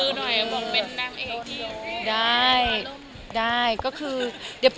ขอเริ่มขออนุญาต